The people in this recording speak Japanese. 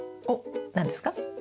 おっ何ですか？